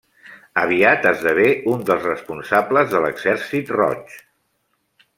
Aviat esdevé un dels responsables de l'exèrcit roig.